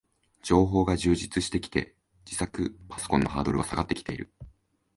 情報が充実してきて、自作パソコンのハードルは下がってきている